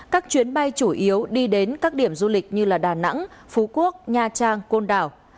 các chuyến bay chủ yếu đi đến các điểm du lịch như đà nẵng phú quốc nha trang côn đảo